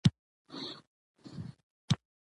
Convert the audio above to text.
او د شلمې پېړۍ په وروستۍ لسيزه کې